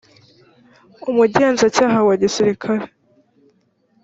umugenzacyaha wa gisirikari